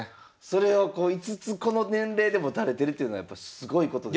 それを５つこの年齢で持たれてるっていうのはやっぱすごいことですよね。